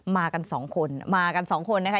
มากัน๒คนมากัน๒คนนะคะ